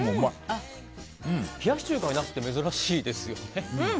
冷やし中華ってナスって珍しいですね。